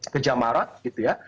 ke jamarat gitu ya